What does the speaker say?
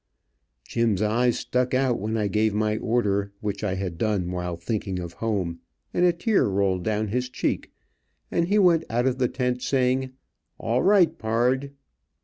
Jim's eyes stuck out when I gave my order, which I had done while thinking of home, and a tear rolled down his cheek, and he went out of the tent, saying, "All right, pard."